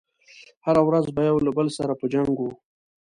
هره ورځ به يو له بل سره په جنګ و.